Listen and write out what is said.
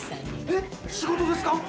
えっ仕事ですか！？